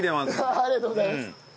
ありがとうございます。